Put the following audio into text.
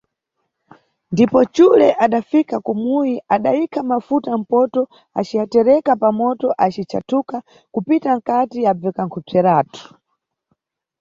Ndipo xule adafika kumuyi adayikha mafuta mphoto aciyatereka pamoto aci chathuka kupita nkati abveka khupseratu.